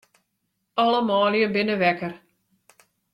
Alle manlju binne wekker.